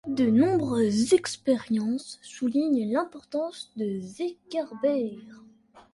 De nombreuses expériences soulignent l’importance de ce Zeitgeber.